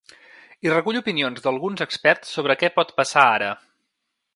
I recull opinions d’alguns experts sobre què pot passar ara.